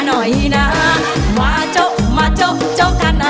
หน่อยน่ามาโจ๊ะมาโจ๊ะโจ๊ะกันอ่ะ